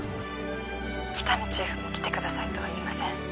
☎喜多見チーフも来てくださいとは言いません